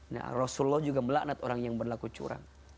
nah rasulullah juga melaknat orang yang berlaku curang